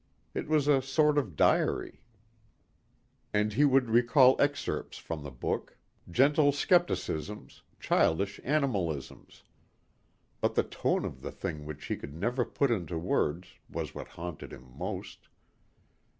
It was a sort of diary." And he would recall excerpts from the book gentle skepticisms, childish animalisms. But the tone of the thing which he could never put into words was what haunted him most.